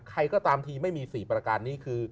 ใครก็ตามทีไม่มี๔ประการนี้คือ